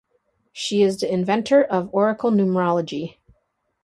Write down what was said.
She is the inventor of Oracle Numerology.